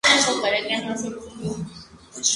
En un episodio de SmackDown!